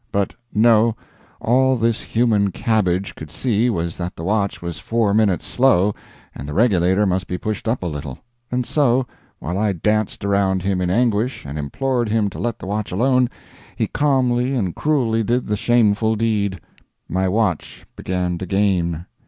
But no; all this human cabbage could see was that the watch was four minutes slow, and the regulator must be pushed up a little; and so, while I danced around him in anguish, and implored him to let the watch alone, he calmly and cruelly did the shameful deed. My watch began to gain.